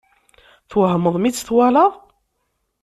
Twehmeḍ mi tt-twalaḍ?